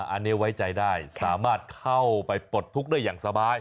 อันนี้ไว้ใจได้สามารถเข้าไปปลดทุกข์ได้อย่างสบาย